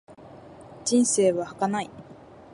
人生は儚い。